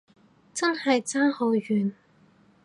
真係爭好遠